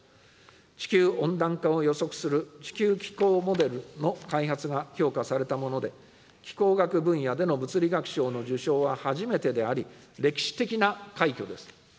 地球温暖化を予測する地球気候モデルの開発が評価されたもので、気候学分野での物理学賞の受賞は初めてであり、歴史的な快挙です。